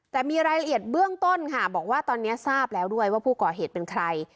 แต่มีรายละเอียดเบื้องต้นค่ะบอกว่าตอนนี้ทราบแล้วด้วยว่าผู้ก่อเหตุเป็นใคร